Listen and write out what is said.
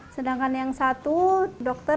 sedangkan yang satu dokter